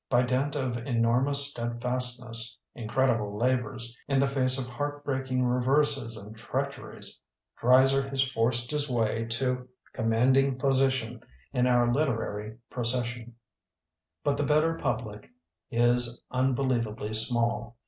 By dint of enormous steadfast ness, incredible labors, in the face of heartbreaking reverses and treacher ies, Dreiser has forced his way to com manding position in our literary pro cession. But the better public is unbeliev ably small.